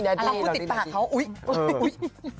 อาหารว่าตื่นจิดปากเค้าอุ๊ย